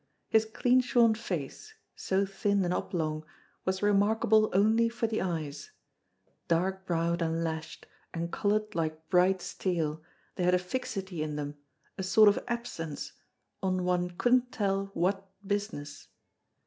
His clean shorn face, so thin and oblong, was remarkable only for the eyes: dark browed and lashed, and coloured like bright steel, they had a fixity in them, a sort of absence, on one couldn't tell what business.